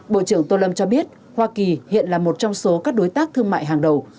bộ trưởng tô lâm cho biết hoa kỳ hiện là một trong số các đối tác thương mại hàng đầu